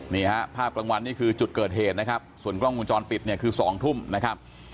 นี่ฮะภาพกลางวันนี่คือจุดเกิดเหตุนะครับส่วนกล้องวงจรปิดเนี่ยคือ๒ทุ่มนะครับ